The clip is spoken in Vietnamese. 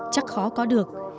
chắc khó có được